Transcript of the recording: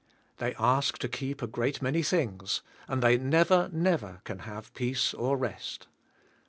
" They ask to keep a great many things and they never, never, can have peace or rest.